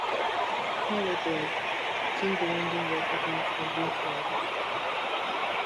“Holliday,” came the ringing voice of Mr. Braithwaite.